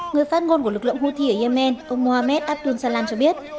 người phát ngôn của lực lượng houthi ở yemen ông mohammed abdul salan cho biết